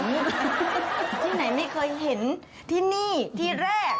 ที่ไหนไม่เคยเห็นที่นี่ที่แรก